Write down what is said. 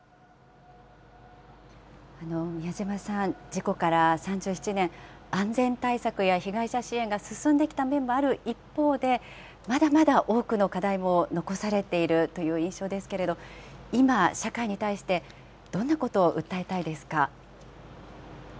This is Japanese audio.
美谷島さん、事故から３７年、安全対策や被害者支援が進んできた面もある一方で、まだまだ多くの課題も残されているという印象ですけれど、今、社会に対して、どんなことを訴えたいですか。